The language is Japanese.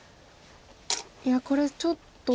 いやこれちょっと。